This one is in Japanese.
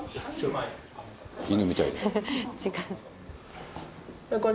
犬みたいに。